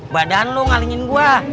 badan lu ngalingin gua